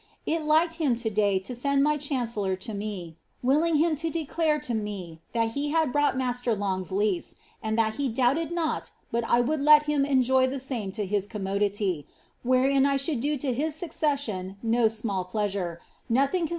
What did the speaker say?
It like<l him tonlay to send my chancellor to me, willing him to declare to me that ho liad brought master Longs leasCfand thnthc doubted not but 1 would let him enjoy the same U> his coinino<lity. wherein I bhould do to his succession no small pleasure, nothing con.